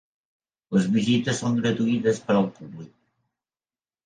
Les visites són gratuïtes per al públic.